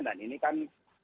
dan ini kan